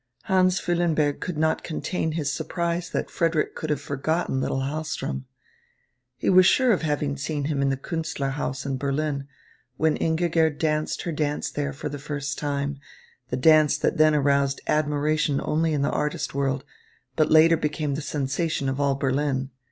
Hans Füllenberg could not contain his surprise that Frederick should have forgotten little Hahlström. He was sure of having seen him in the Künstlerhaus in Berlin when Ingigerd danced her dance there for the first time, the dance that then aroused admiration only in the artist world, but later became the sensation of all Berlin.